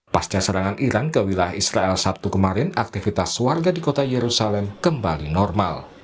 pasca serangan iran ke wilayah israel sabtu kemarin aktivitas warga di kota yerusalem kembali normal